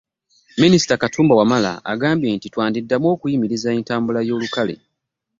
Minisita Katumba Wamala agambye nti twandiddamu okuyimiriza entambula y'olukale